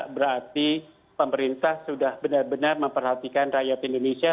berarti pemerintah sudah benar benar memperhatikan rakyat indonesia